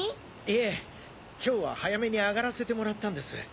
いえ今日は早めに上がらせてもらったんです。